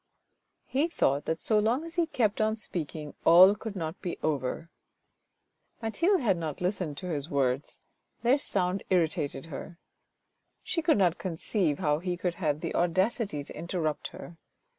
He thought that, so long as he THE JAPANESE VASE 375 kept on speaking, all could not be over. Mathilde had not listened to his words; their sound irritated her. She could not conceive how he could have the audacity to interrupt her.